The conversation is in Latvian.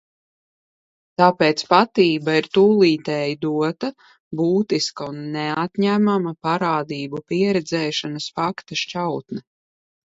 "Tāpēc patība ir "tūlītēji dota", būtiska un neatņemama parādību pieredzēšanas fakta šķautne."